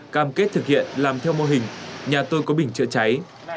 cam kết thực hiện làm theo mô hình nhà tôi có bình chữa cháy